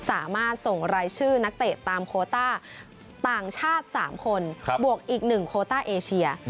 สามารถส่งรายชื่อนักเตะตามโคต้าต่างชาติ๓คนบวกอีก๑โคต้าเอเชีย